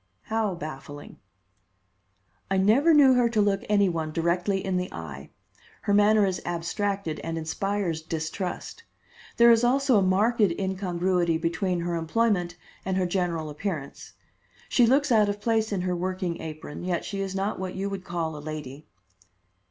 "How baffling?" "I never knew her to look any one directly in the eye. Her manner is abstracted and inspires distrust. There is also a marked incongruity between her employment and her general appearance. She looks out of place in her working apron, yet she is not what you would call a lady."